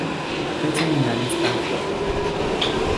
Fue seminarista.